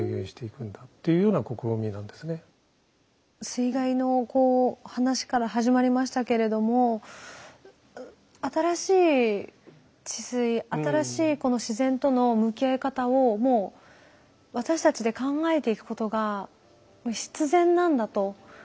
水害の話から始まりましたけれども新しい治水新しいこの自然との向き合い方をもう私たちで考えていくことが必然なんだというふうに思います。